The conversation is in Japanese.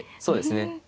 そうですね。